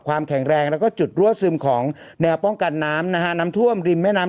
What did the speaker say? ความแข็งแรงแล้วก็จุดรั่วซึมของแนวป้องกันน้ำนะฮะน้ำท่วมริมแม่น้ำ